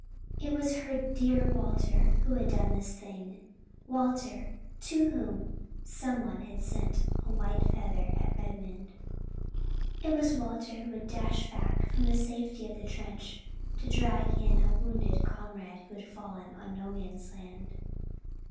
It was her dear Walter who had done this thing Walter, to whom someone had sent a white feather at Redmond it was Walter who had dashed back from the safety of the trench to drag in a wounded comrade who had fallen on No man's land.